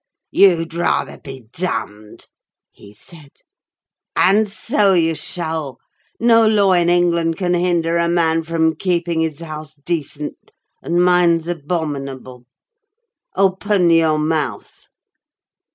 "You'd rather be damned!" he said; "and so you shall. No law in England can hinder a man from keeping his house decent, and mine's abominable! Open your mouth."